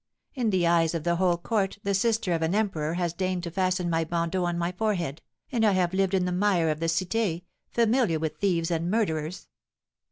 In the eyes of a whole court the sister of an emperor has deigned to fasten my bandeau on my forehead, and I have lived in the mire of the Cité, familiar with thieves and murderers.'